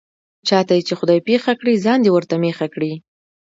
چاته یې چې خدای پېښه کړي، ځان دې ورته مېښه کړي.